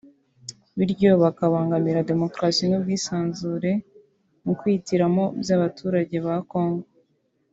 biryo bakabangamira demokarasi n’ubwisanzure mu kwihitiramo by’abaturage ba Congo